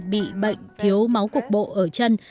bị bệnh thiếu máu cục bộ ở chân